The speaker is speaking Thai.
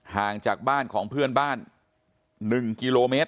ห่างจากบ้านของเพื่อนบ้าน๑กิโลเมตร